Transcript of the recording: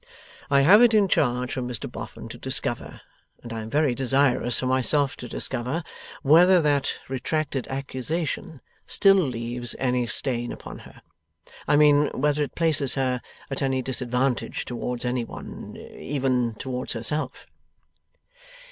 I have it in charge from Mr Boffin to discover, and I am very desirous for myself to discover, whether that retracted accusation still leaves any stain upon her. I mean whether it places her at any disadvantage towards any one, even towards herself.